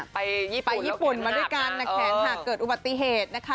ไปญี่ปุ่นมาด้วยกันนะคะหากเกิดอุบัติเหตุนะคะ